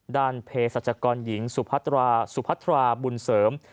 ด้านเพจราชากรหญิงสุพัตราบุญเสริม